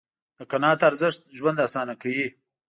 د قناعت ارزښت ژوند آسانه کوي.